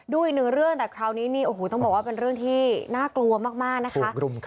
อีกหนึ่งเรื่องแต่คราวนี้นี่โอ้โหต้องบอกว่าเป็นเรื่องที่น่ากลัวมากนะคะ